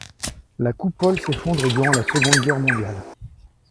La coupole s'effondre durant la Seconde Guerre mondiale.